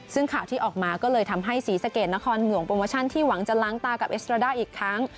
ซึ่งข่าวที่ออกมาก็เลยทำให้ศรีสะเกดนครหลวงโปรโมชั่นที่หวังจะล้างตากับเอสตราด้าอีกครั้ง